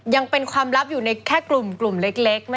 ยังเป็นความลับอยู่ในแค่กลุ่มเล็ก